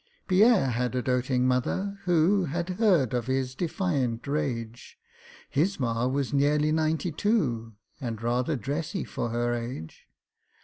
PIERRE had a doating mother, who Had heard of his defiant rage; His Ma was nearly ninety two, And rather dressy for her age.